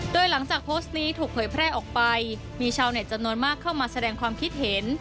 โดยหลังจากโพสต์นี้ถูกเผยแพร่ออกไปมีชาวเน็ตจำนวนมากเข้ามาแสดงความคิดเห็น